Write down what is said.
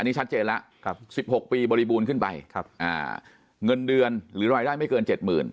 นี่ชัดเจนแล้ว๑๖ปีบริบูรณ์ขึ้นไปเงินเดือนหรือรายได้ไม่เกิน๗๐๐